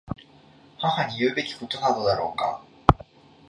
母に言うべきことなのだろうか。